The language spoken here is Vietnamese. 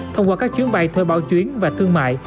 thông qua các chuyến bay thuê bao chuyến và thương mại